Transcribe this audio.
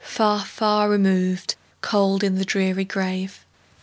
Far, far removed, cold in the dreary grave!